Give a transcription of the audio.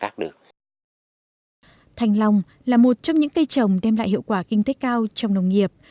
thành lòng là một trong những cây trồng đem lại hiệu quả kinh tế cao trong nông nghiệp